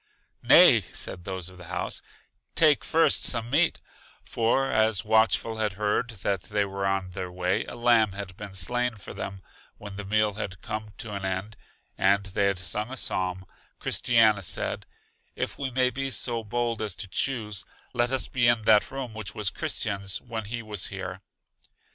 Nay, said those of the house, take first some meat; for as Watchful had heard that they were on their way, a lamb had been slain for them When the meal had come to an end, and they had sung a psalm, Christiana said, If we may be so bold as to choose, let us be in that room which was Christian's when he was here.